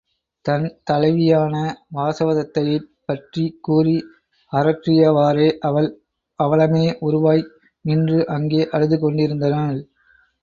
தன் தலைவியான வாசவதத்தையைப் பற்றிக்கூறி அரற்றியவாறே, அவள் அவலமே உருவாய் நின்று அங்கே அழுது கொண்டிருந்தனள்.